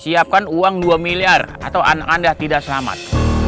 siapkan uang dua miliar atau anak anda tidak selamat